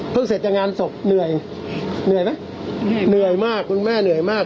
เสร็จจากงานศพเหนื่อยเหนื่อยไหมเหนื่อยมากคุณแม่เหนื่อยมาก